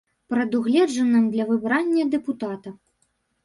Прадугледжаным для выбрання дэпутата.